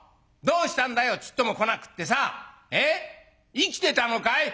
生きてたのかい？」。